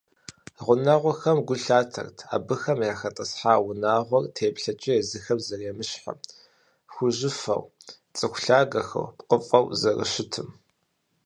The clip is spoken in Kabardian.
Гъунэгъухэм гу лъатэрт абыхэм яхэтӀысхьа унагъуэр теплъэкӀэ езыхэм зэремыщхьым, хужьыфэу, цӀыху лъагэхэу, пкъыфӀэу зэрыщытым.